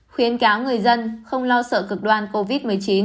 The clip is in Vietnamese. khuyến cáo người dân không lo sợ cực đoan covid một mươi chín